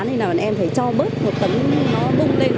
nên là em phải cho bớt một tấm nó búng lên